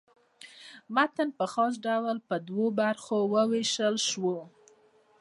متن په خاص ډول پر دوو برخو وېشل سوی.